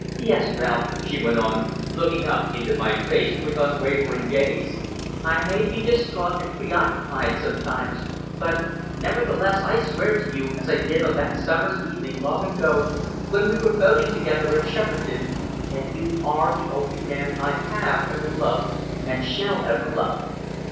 "Yes, Ralph," she went on, looking up into my face with unwavering gaze. "I may be distrait and pre occupied sometimes, but, nevertheless, I swear to you, as I did on that summer's evening long ago when we were boating together at Shepperton, that you are the only man I have ever loved or shall ever love."